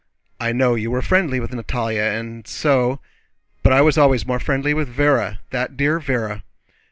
"I know you were friendly with Natalie, and so... but I was always more friendly with Véra—that dear Véra."